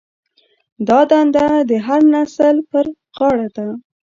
دا دنده د هر نسل پر غاړه ده.